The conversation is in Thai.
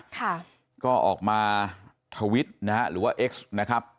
ค่ะก็ออกมาทวิตนะฮะหรือว่าเอ็กซ์นะครับ